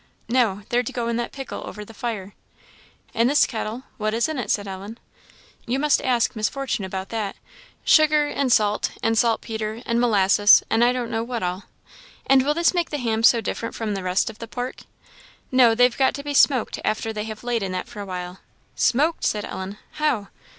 "No; they're to go in that pickle over the fire." "In this kettle? what is in it?" said Ellen. "You must ask Miss Fortune about that; sugar, and salt, and saltpetre, and molasses, and I don't know what all." "And will this make the hams so different from the rest of the pork?" "No; they've got to be smoked after they have laid in that for a while." "Smoked!" said Ellen; "how?"